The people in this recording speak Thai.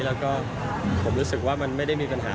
แล้วก็ผมรู้สึกว่ามันไม่ได้มีปัญหา